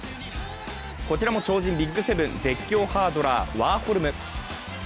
こちらも超人ＢＩＧ７、絶叫ハードラーワーホルム。